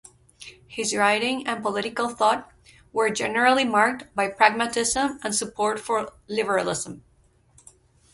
His writing and political thought were generally marked by pragmatism and support for liberalism.